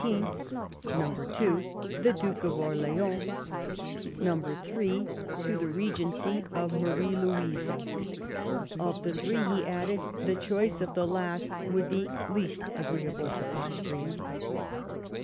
(2) to the Duke of Orleans ; (3) to the regency of Marie Louise. Of the three, he added, the choice of the last would be least agreeable to Austria.